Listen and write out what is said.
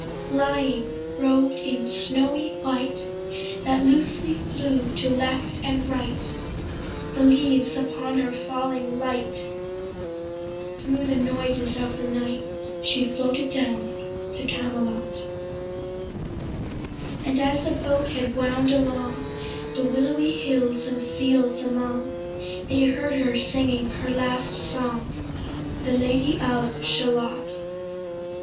Lying, robed in snowy white That loosely flew to left and right The leaves upon her falling light Thro' the noises of the night She floated down to Camelot; And as the boat head wound along The willowy hills and fields among, They heard her singing her last song, The Lady of Shalott.